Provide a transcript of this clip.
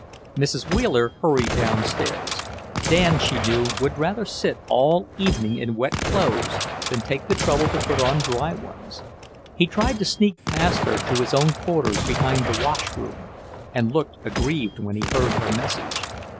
Mrs. Wheeler hurried down stairs. Dan, she knew, would rather sit all evening in wet clothes than take the trouble to put on dry ones. He tried to sneak past her to his own quarters behind the wash room, and looked aggrieved when he heard her message.